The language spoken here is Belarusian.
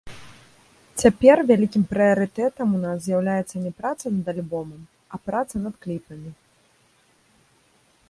Цяпер вялікі прыярытэтам у нас з'яўляецца не праца над альбомам, а праца над кліпамі.